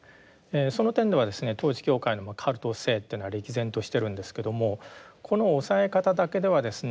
その点ではですね統一教会のカルト性というのは歴然としてるんですけどもこの押さえ方だけではですね